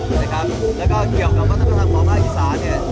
นะครับแล้วก็เกี่ยวกับวัฒนธรรมฟอร์ฟราคีศาสตร์เนี้ย